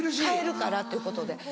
買えるからということで。